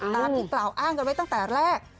ตามที่กล่าวอ้างกันไว้ตั้งแต่แรก